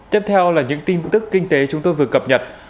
tiếp theo là những tin tức kinh tế chúng tôi vừa cập nhật